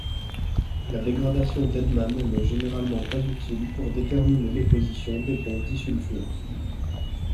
La dégradation d'Edman n'est généralement pas utile pour déterminer les positions des ponts disulfures.